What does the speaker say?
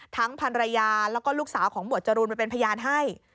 ภรรยาแล้วก็ลูกสาวของหมวดจรูนไปเป็นพยานให้